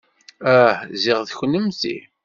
Ah, ziɣ d kennemti.